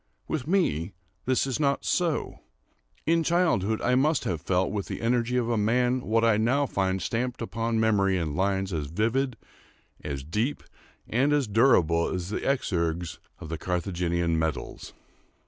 With me this is not so. In childhood I must have felt with the energy of a man what I now find stamped upon memory in lines as vivid, as deep, and as durable as the exergues of the Carthaginian medals.